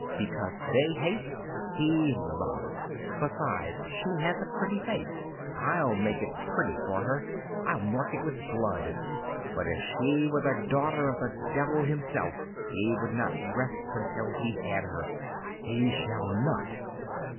Because they hate he loves. Besides, she has a pretty face. I'll make it pretty for her! I'll mark it with blood! But if she were the daughter of the devil himself he would not rest until he had her. He shall not!